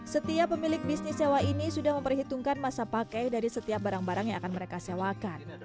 setiap pemilik bisnis sewa ini sudah memperhitungkan masa pakai dari setiap barang barang yang akan mereka sewakan